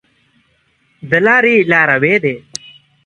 د لاري لاروی دی .